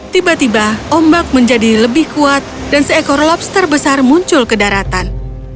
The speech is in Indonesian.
tiba tiba ombak menjadi lebih kuat dan seekor lobster besar muncul ke daratan